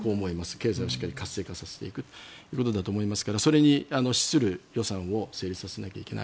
経済をしっかり活性化させていくということだと思いますからそれに資する予算を成立させないといけない。